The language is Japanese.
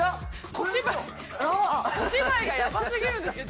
小芝居がやばすぎるんですけど。